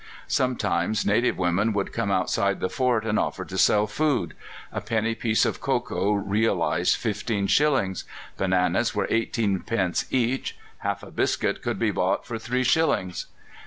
Sometimes native women would come outside the fort and offer to sell food. A penny piece of cocoa realized fifteen shillings; bananas were eighteen pence each; half a biscuit could be bought for three shillings.